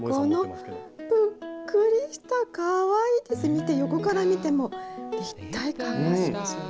見て横から見ても立体感がありますよね。